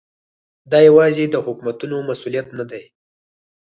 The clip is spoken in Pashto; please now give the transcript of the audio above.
دا یوازې د حکومتونو مسؤلیت نه دی.